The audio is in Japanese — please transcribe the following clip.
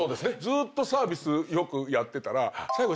ずーっとサービス良くやってたら。